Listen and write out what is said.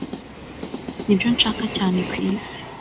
Nibyo nshaka cyane kwisi